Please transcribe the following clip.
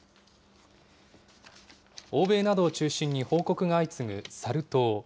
欧米などを中心に報告が相次ぐサル痘。